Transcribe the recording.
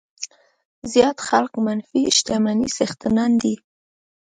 زیات خلک منفي شتمنۍ څښتنان دي.